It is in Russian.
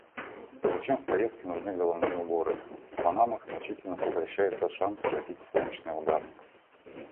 Зачем в поездке нужны головные уборы? В панамах значительно сокращается шанс схватить солнечный удар.